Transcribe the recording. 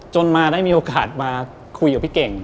มาได้มีโอกาสมาคุยกับพี่เก่ง